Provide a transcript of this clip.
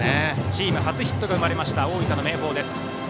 チーム初ヒットが生まれました、大分の明豊です。